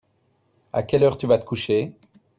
À quelle heure tu vas te coucher ?